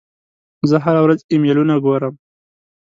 زه هره ورځ ایمیلونه ګورم.